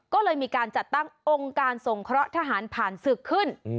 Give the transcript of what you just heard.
ก็เลยมีการจัดตั้งองค์การสงเคราะห์ทหารผ่านศึกขึ้น